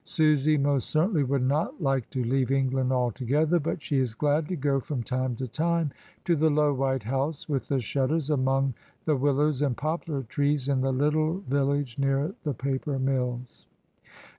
Susy most certainly would not like to leave England altogether, but she is glad to go from time to time to the low white house with the shutters among the willows and poplar trees in the little village near the paper mills.